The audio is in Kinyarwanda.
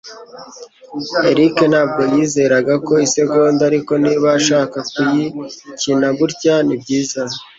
Eric ntabwo yizeraga ko isegonda, ariko niba ashaka kuyikina gutya, nibyiza.